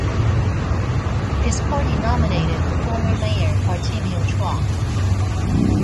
His party nominated former Mayor Artemio Chua.